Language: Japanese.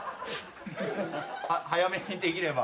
早めにできれば。